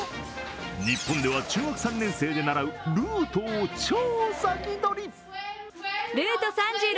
日本では中学３年生で習うルートを超先取り。